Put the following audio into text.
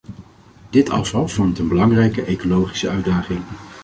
Dit afval vormt een belangrijke ecologische uitdaging.